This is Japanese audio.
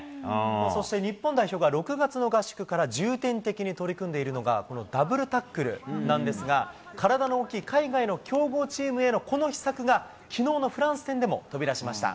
そして日本代表が６月の合宿から重点的に取り組んでいるのが、このダブルタックルなんですが、体の大きい海外の強豪チームへのこの秘策が、きのうのフランス戦でも飛び出しました。